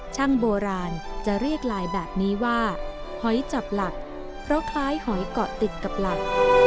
ช่างโบราณจะเรียกลายแบบนี้ว่าหอยจับหลักเพราะคล้ายหอยเกาะติดกับหลัก